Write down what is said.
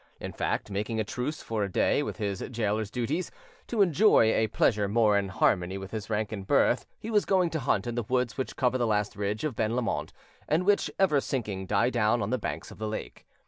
In fact, making a truce, for a day, with his gaoler's duties, to enjoy a pleasure more in harmony with his rank and birth, he was going to hunt in the woods which cover the last ridge of Ben Lomond, and which, ever sinking, die down on the banks of the lake.